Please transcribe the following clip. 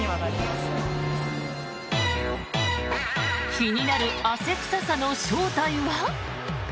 気になる汗臭さの正体は？